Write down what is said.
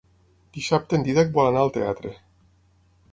Dissabte en Dídac vol anar al teatre.